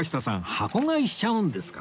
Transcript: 箱買いしちゃうんですか？